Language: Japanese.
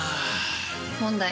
問題。